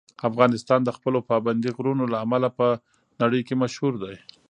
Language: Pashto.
افغانستان د خپلو پابندي غرونو له امله په نړۍ کې مشهور دی.